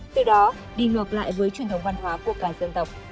từ đó đi ngược lại với truyền thống văn hóa của cả dân tộc